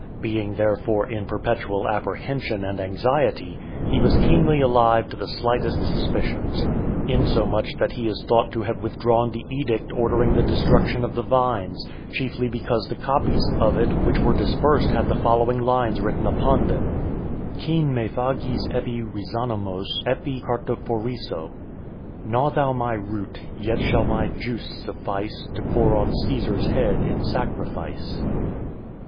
Being, therefore, in perpetual apprehension and anxiety, he was keenly alive to the slightest suspicions, insomuch that he is thought to have withdrawn the edict ordering the destruction of the vines, chiefly because the copies of it which were dispersed had the following lines written upon them: Kaen me phagaes epi rizanomos epi kartophoraeso, Osson epispeisai Kaisari thuomeno. Gnaw thou my root, yet shall my juice suffice To pour on Caesar's head in sacrifice.